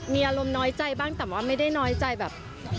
มีอารมณ์น้อยใจบ้างแต่ว่าไม่ได้น้อยใจแบบ